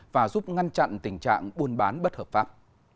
và giúp ngăn chặn tình trạng buôn bán bất hợp pháp